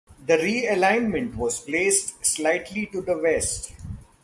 The re-alignment was placed slightly to the west.